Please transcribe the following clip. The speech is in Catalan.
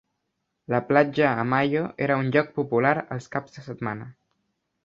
La platja a Mayo era un lloc popular els caps de setmana.